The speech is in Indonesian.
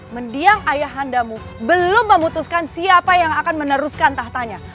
mendiang ayahandamu belum memutuskan siapa yang akan meneruskan tahtanya